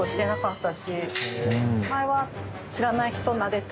前は。